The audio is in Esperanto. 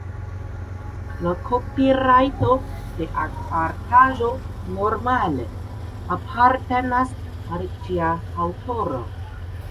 La kopirajto de artaĵo normale apartenas al ĝia aŭtoro.